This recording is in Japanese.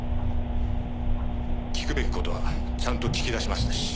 聞くべき事はちゃんと聞き出しましたし。